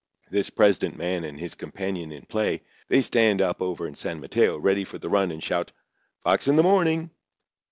This president man and his companion in play, they stand up over in San Mateo, ready for the run, and shout: 'Fox in the Morning!